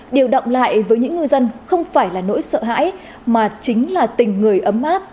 điều động lại với những ngư dân không phải là nỗi sợ hãi mà chính là tình người ấm áp